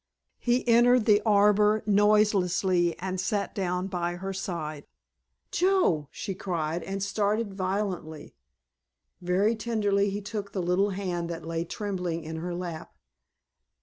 He entered the arbor noiselessly and sat down by her side. "Joe!" she cried, and started violently. Very tenderly he took the little hand that lay trembling in her lap.